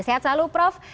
sehat selalu prof